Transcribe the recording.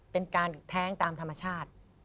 เป็นการแท้งตามธรรมชาติ